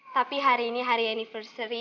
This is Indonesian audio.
tapi hari ini hari anniversary